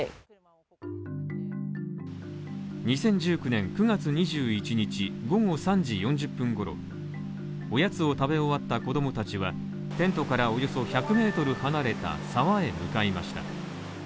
２０１９年９月２１日、午後３時４０分ごろ、おやつを食べ終わった子供たちは、テントからおよそ１００ｍ離れた沢へ向かいました。